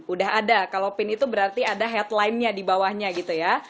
udah ada kalau pin itu berarti ada headline nya di bawahnya gitu ya